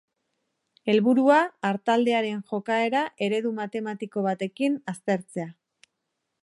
Helburua, artaldearen jokaera eredu matematiko batekin aztertzea.